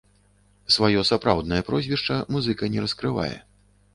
Сваё сапраўднае прозвішча музыка не раскрывае.